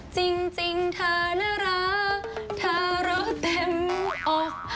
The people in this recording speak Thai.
จริงเธอน่ารักเธอรอเต็มอก